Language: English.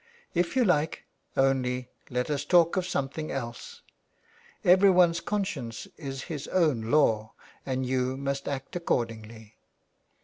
'' If you like, only let us talk of something else. Everyone's conscience is his own law and you must act accordingly."